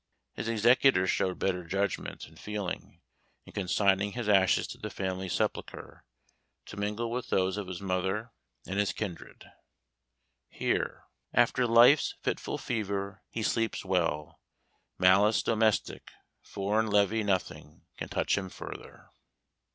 His executors showed better judgment and feeling, in consigning his ashes to the family sepulchre, to mingle with those of his mother and his kindred. Here, "After life's fitful fever, he sleeps well. Malice domestic, foreign levy, nothing Can touch him further!"